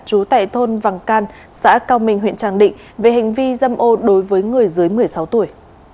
trú tại thôn vàng can xã cao minh huyện tràng định về hành vi dâm ô đối với người dưới một mươi sáu tuổi